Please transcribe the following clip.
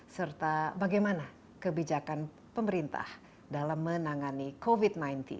serta bagaimana kebijakan pemerintah dalam menangani covid sembilan belas